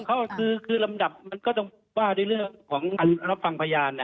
เขาคือคือลำดับมันก็ว่าในเรื่องของรับฟังพยานนะฮะ